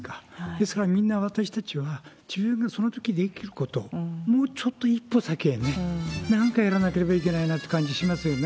ですから、みんな、私たちは自分がそのときできること、もうちょっと一歩先へね、なんかやらなければいけないなっていう感じしますよね。